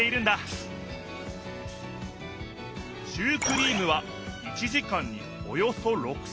シュークリームは１時間におよそ６，３００こ。